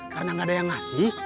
karena gak ada yang ngasih